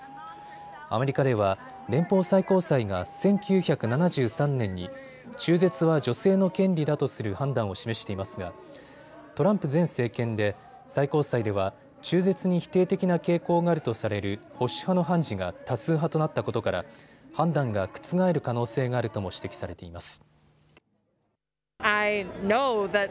アメリカでは連邦最高裁が１９７３年に中絶は女性の権利だとする判断を示していますがトランプ前政権で最高裁では中絶に否定的な傾向があるとされる保守派の判事が多数派となったことから判断が覆る可能性があるとも指摘されています。